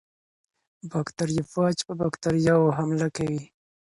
باکتریوفاج په باکتریاوو حمله کوي.